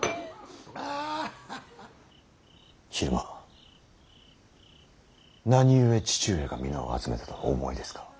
昼間何故父上が皆を集めたとお思いですか。